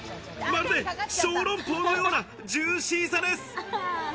まるで小籠包のようなジューシーさです。